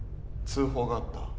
通報があった。